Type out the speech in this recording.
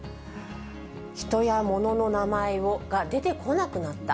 人や物の名前が出てこなくなった。